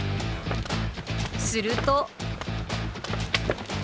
すると。